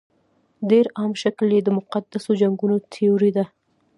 ډېر عام شکل یې د مقدسو جنګونو تیوري ده.